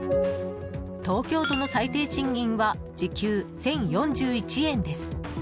東京都の最低賃金は時給１０４１円です。